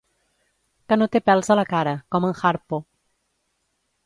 Que no té pèls a la cara, com en Harpo.